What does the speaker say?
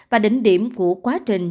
và đỉnh điểm của quá trình